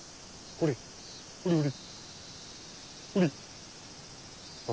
ほれほれ。